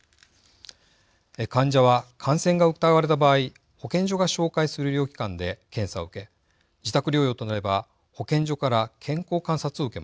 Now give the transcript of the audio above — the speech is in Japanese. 患者は感染が疑われた場合保健所が紹介する医療機関で検査を受け自宅療養となれば保健所から健康観察を受けます。